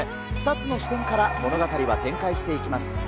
２つの視点から物語は展開していきます。